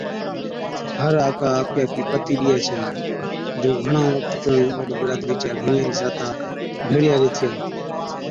ھر آڪھ آپڪِي آپڪِي پتِي ڏِيئَي ڇَي۔ جُون گھڻا وقت پيھڻُون اوڏ برادرِي چِيا گھڻِيا ئِي ذاتيا ڀيڙِيا ريھتِيا